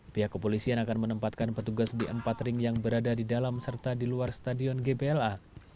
pihak kepolisian akan menempatkan petugas di empat ring yang berada di dalam serta di luar stadion gbla